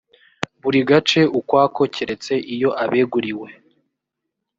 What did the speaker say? buri gace ukwako keretse iyo abeguriwe